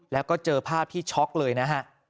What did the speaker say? แล้วก็เจอภาพที่ช็อกเลยนะฮะ